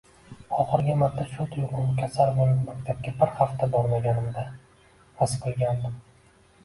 Oxirgi martta shu tuyg‘uni kasal bo‘lib maktabga bir hafta bormaganimda xis qilgandim.